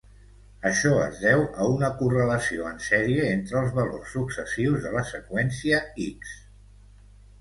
Això es deu a una correlació en sèrie entre els valors successius de la seqüència "X".